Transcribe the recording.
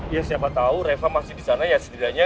iya siapa tau reva masih di sana ya setidaknya